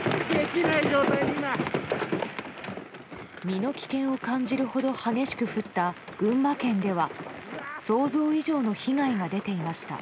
身の危険を感じるほど激しく降った群馬県では想像以上の被害が出ていました。